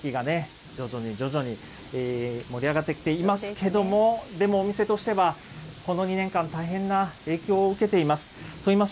節分の雰囲気がね、徐々に徐々に盛り上がってきていますけれども、でもお店としては、この２年間、大変な影響を受けています。